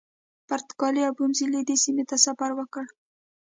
پرتګالي اوبمزلي دې سیمې ته سفر وکړ.